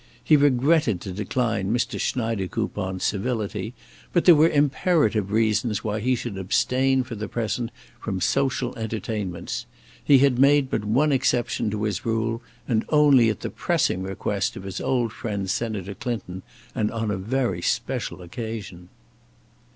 He regretted to decline Mr. Schneidekoupon's civility, but there were imperative reasons why he should abstain for the present from social entertainments; he had made but one exception to his rule, and only at the pressing request of his old friend Senator Clinton, and on a very special occasion.